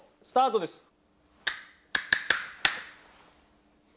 スタートです。